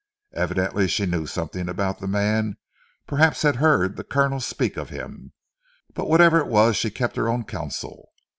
Evidently she knew something about the man perhaps had heard the Colonel speak of him. But whatever it was she kept her own counsel.